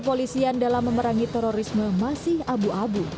kepolisian dalam memerangi terorisme masih abu abu